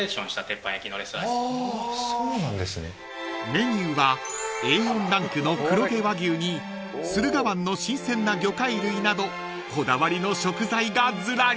［メニューはＡ４ランクの黒毛和牛に駿河湾の新鮮な魚介類などこだわりの食材がずらり］